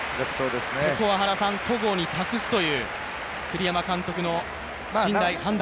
ここは戸郷に託すという栗山監督の信頼、判断。